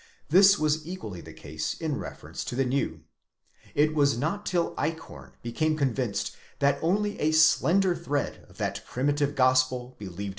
'This was equally the case in reference to the New. It was not till Eichhorn ® became convinced that only a slender thread of that primitive Gospel believed.